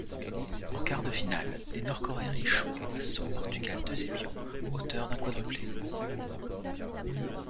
En quarts de finale, les Nord-Coréens échouent face au Portugal d'Eusebio, auteur d'un quadruplé.